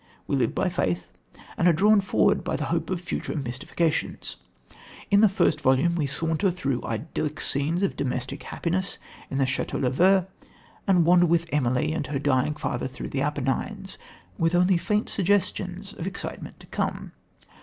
We live by faith, and are drawn forward by the hope of future mystifications. In the first volume we saunter through idyllic scenes of domestic happiness in the Chateau le Vert and wander with Emily and her dying father through the Apennines, with only faint suggestions of excitement to come.